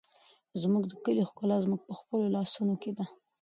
زموږ د کلي ښکلا زموږ په خپلو لاسونو کې ده.